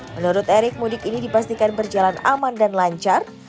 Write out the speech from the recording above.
menurut erick mudik ini dipastikan berjalan aman dan lancar